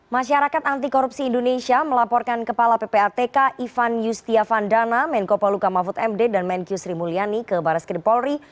masyarakat anti korupsi indonesia melaporkan kepala ppatk ivan yustiavandana menko paluka mahfud md dan menkyu sri mulyani ke baris kedepolri